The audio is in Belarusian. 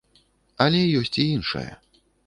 Але ёсць і іншае.